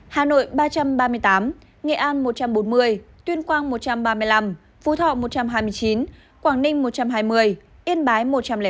hà nội ba trăm ba mươi tám nghệ an một trăm bốn mươi tuyên quang một trăm ba mươi năm phú thọ một trăm hai mươi chín quảng ninh một trăm hai mươi yên bái một trăm linh năm